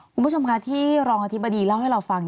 คุณผู้ชมคะที่รองอธิบดีเล่าให้เราฟัง